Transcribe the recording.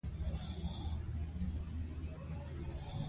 دی یو ښه مثال دی.